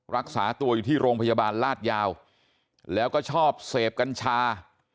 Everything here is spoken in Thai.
รักษาตัวอยู่ที่โรงพยาบาลลาดยาวแล้วก็ชอบเสพกัญชา